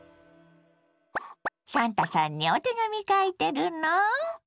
サンタさんにお手紙書いてるの？